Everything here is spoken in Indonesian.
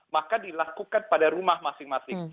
maka dilakukan pada rumah masing masing